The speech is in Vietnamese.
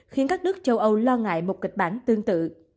khiến các nước châu âu lo ngại một kịch bản tương tự